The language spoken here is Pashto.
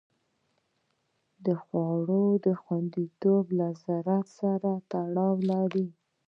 د خوړو خوندیتوب له زراعت سره تړاو لري.